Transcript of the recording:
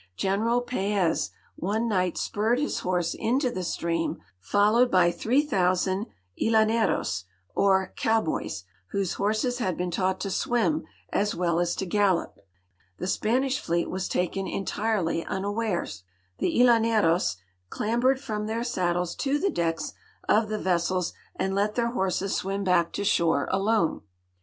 General Paez one niglit spurred his horse into the stream, followed by three thousand llaueros, or cowboys, whose horses had been taught to swim as well as to gallop. Tlie Sj)anish fleet was taken entirely unawares. The llaneros clambered from their saddles to the decks of the vessels and let their houses swim back to shore alone.